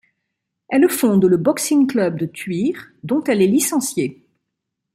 Elle fonde le Boxing Club de Thuir dont elle est licenciée.